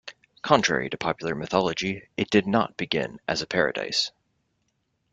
Contrary to popular mythology, it did not begin as a paradise.